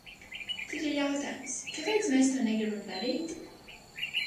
Tad ir jautājums: kāpēc mēs to negribam darīt?